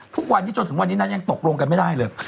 ทุกวันนี้จนถึงวันนี้นั้นยังตกลงกันไม่ได้เลย